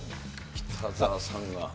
北澤さんが。